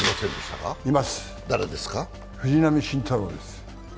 藤浪晋太郎です。